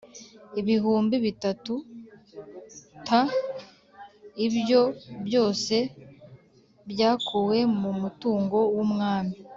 ibihumbi bitatu t Ibyo byose byakuwe mu mutungo w umwami